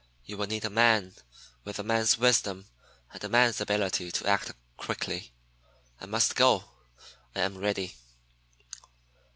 You will need a man, with a man's wisdom, and a man's ability to act quickly. I must go; I am ready."